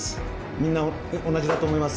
みんな同じだと思います。